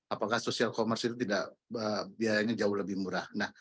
apakah social commerce itu tidak biayanya jauh lebih murah